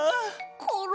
コロ。